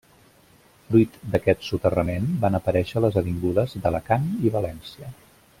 Fruit d'aquest soterrament van aparèixer les avingudes d'Alacant i València.